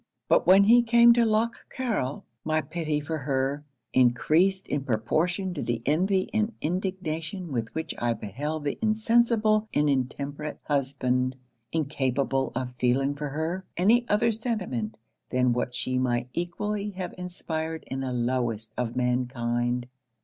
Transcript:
But when he came to Lough Carryl, my pity for her, encreased in proportion to the envy and indignation with which I beheld the insensible and intemperate husband incapable of feeling for her, any other sentiment, than what she might equally have inspired in the lowest of mankind.